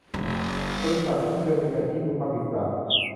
บริษัทนั้นเคยมีการชี้มูลความผิดจาก